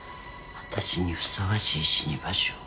私にふさわしい死に場所。